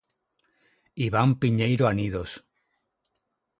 Iván Piñeiro Anidos.